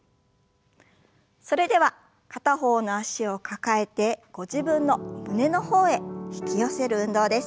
それでは片方の脚を抱えてご自分の胸の方へ引き寄せる運動です。